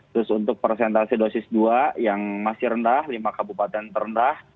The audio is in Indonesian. terus untuk persentase dosis dua yang masih rendah lima kabupaten terendah